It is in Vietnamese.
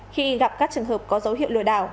khi gặp các trường hợp có dấu hiệu lừa đảo